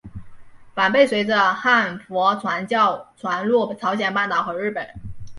梵呗随着汉传佛教传入朝鲜半岛和日本。